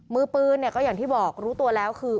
มือปืนเนี่ยก็อย่างที่บอกรู้ตัวแล้วคือ